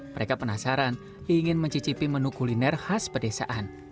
mereka penasaran ingin mencicipi menu kuliner khas pedesaan